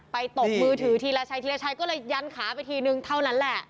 ตบมือถือทีละชัยทีละชัยก็เลยยันขาไปทีนึงเท่านั้นแหละ